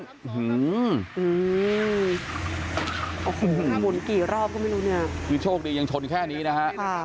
โอ้โหหมุนกี่รอบก็ไม่รู้เนี่ยคือโชคดียังชนแค่นี้นะฮะ